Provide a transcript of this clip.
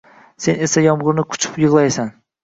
sen esa yomg’irni quchib yig’laysan.